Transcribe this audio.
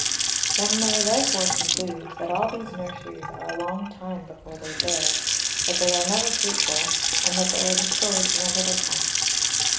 One may therefore conclude that all these Nurseries are a long time before they bear, that they are never fruitful, and that they are destroy'd in a little time.